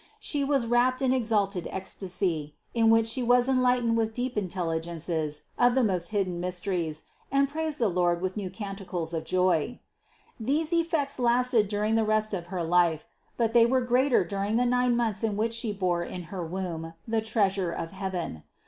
She was wrapped in exalted ecstasy, in which she was enlightened with deep intelligences of the most hidden mysteries and praised the Lord with new canti THE CONCEPTION 183 cles of Joy. These effects lasted during all the rest of her life; but they were greater during the nine months in which she bore in her womb the Treasure of heaven.